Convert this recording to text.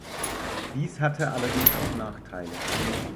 Dies hatte allerdings auch Nachteile.